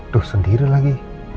duh sendiri lagi